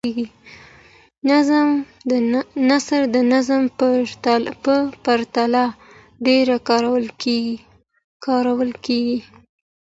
نثر د نظم په پرتله ډېر کارول کیږي.